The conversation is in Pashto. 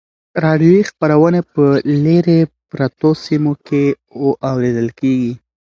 راډیویي خپرونې په لیرې پرتو سیمو کې اورېدل کیږي.